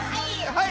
はい。